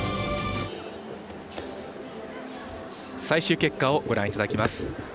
最終結果をご覧いただきます。